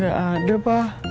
gak ada pa